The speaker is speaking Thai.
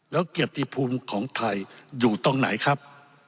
แล้วเกียรติภูมิของไทยอยู่ตรงไหนครับ